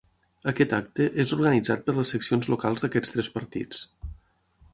Aquest acte és organitzat per les seccions locals d’aquests tres partits.